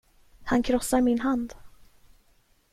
Han krossar min hand.